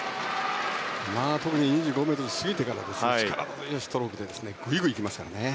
特に２５ｍ過ぎてから力強いストロークでグイグイ来ますからね。